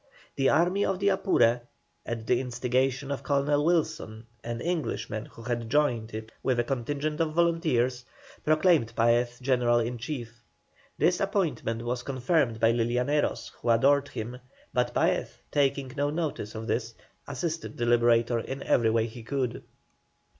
The Army of the Apure, at the instigation of Colonel Wilson, an Englishman who had joined it with a contingent of volunteers, proclaimed Paez general in chief. This appointment was confirmed by the Llaneros, who adored him, but Paez, taking no notice of this, assisted the Liberator in every way he could.